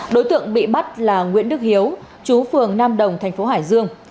đối tượng bị bắt là nguyễn đức hiếu chú phường nam đồng thành phố hải dương